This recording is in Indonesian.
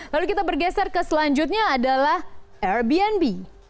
lalu kita bergeser ke selanjutnya adalah airbnb